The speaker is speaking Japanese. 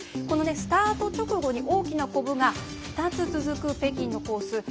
このスタート直後に大きなコブが２つ続く北京のコース。